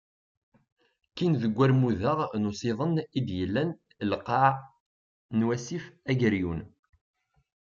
Kkin deg warmud-a n usiḍen i d-yellan lqaɛ n wasif Ageryun.